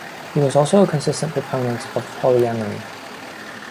He was also a consistent proponent of polyamory.